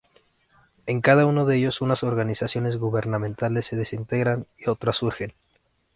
En cada uno de ellos unas organizaciones gubernamentales se desintegran y otras surgen.